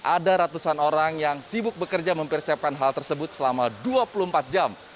ada ratusan orang yang sibuk bekerja mempersiapkan hal tersebut selama dua puluh empat jam